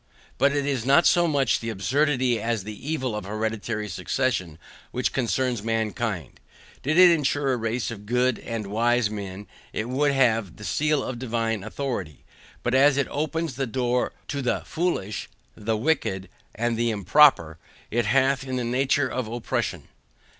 But it is not so much the absurdity as the evil of hereditary succession which concerns mankind. Did it ensure a race of good and wise men it would have the seal of divine authority, but as it opens a door to the FOOLISH, the WICKED, and the IMPROPER, it hath in it the nature of oppression.